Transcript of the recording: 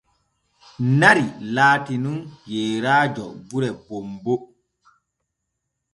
Nari laati nun yeeraajo gure bonbo.